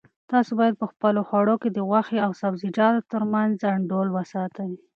تاسو باید په خپلو خوړو کې د غوښې او سبزیجاتو ترمنځ انډول وساتئ.